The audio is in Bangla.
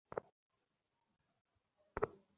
তাদের পথ থেকে সরে থেকো।